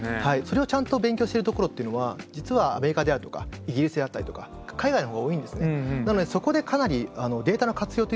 それをちゃんと勉強してるところっていうのは実はアメリカであるとかイギリスであったりとか海外の方が多いんですね。